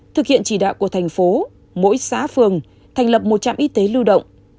thực hiện chỉ đạo của thành phố mỗi xã phường thành lập một trạm y tế lưu động